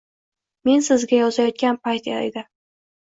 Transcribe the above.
Men sizga yozayotgan paytda edi.